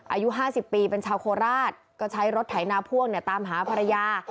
อายุ๕๐ปีเป็นชาวโคราชก็ใช้รถไถนาพ่วงเนี่ยตามหาภรรยา